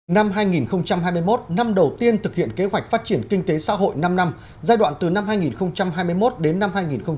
năm hai nghìn hai mươi một năm đầu tiên thực hiện kế hoạch phát triển kinh tế xã hội năm năm giai đoạn từ năm hai nghìn hai mươi một đến năm hai nghìn ba mươi